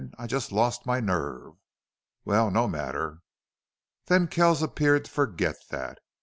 I just lost my nerve." "Well, no matter." Then Kells appeared to forget that.